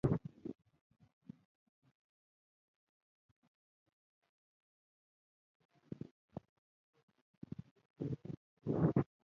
دا د سینټ مریم مګدالین په نامه د ارټوډکس عیسویانو کلیسا ده.